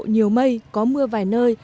nhiều mây có mưa vài nơi